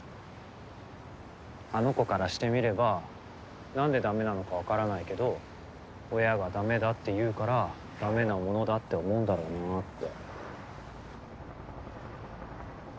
あの子からしてみれば何で駄目なのか分からないけど親が駄目だって言うから駄目なものだって思うんだろうなぁって。